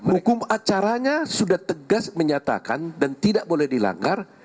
hukum acaranya sudah tegas menyatakan dan tidak boleh dilanggar